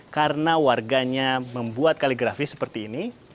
karena warganya membuat kaligrafi seperti ini